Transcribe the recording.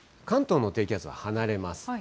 関東の低気圧は離れます。